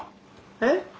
えっ？